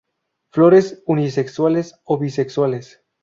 Flores unisexuales o bisexuales.